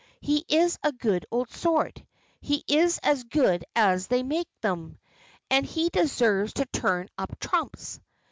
He is a good old sort; he is as good as they make them, and he deserves to turn up trumps."